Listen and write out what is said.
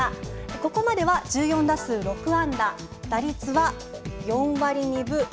ここまでは１４打数６安打打率は４割２分９厘。